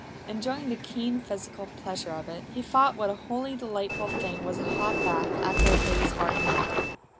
Enjoying the keen physical pleasure of it, he thought what a wholly delightful thing was a hot bath after a day's hard hunting.